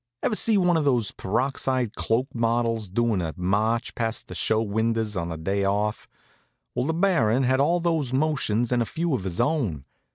Ever see one of these peroxide cloak models doin' a march past the show windows on her day off? Well, the Baron had all those motions and a few of his own.